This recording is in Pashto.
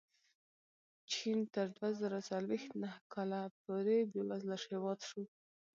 چین تر دوه زره څلوېښت نهه کاله پورې بېوزله هېواد شو.